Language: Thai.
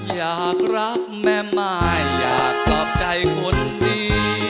อยากรักแม่มายอยากปลอบใจคนดี